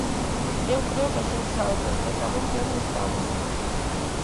Eu creo que a xente sabe perfectamente onde estamos.